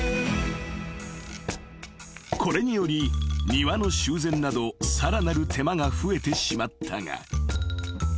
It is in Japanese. ［これにより庭の修繕などさらなる手間が増えてしまったが］